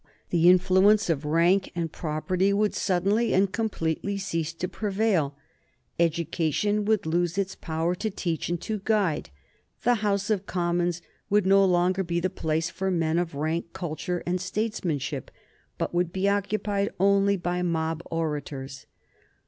The influence of rank and property would suddenly and completely cease to prevail; education would lose its power to teach and to guide; the House of Commons would no longer be the place for men of rank, culture, and statesmanship, but would be occupied only by mob orators.